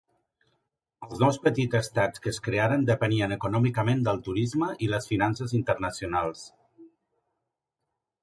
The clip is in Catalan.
Els nous petits estats que es crearen depenien econòmicament del turisme i les finances internacionals.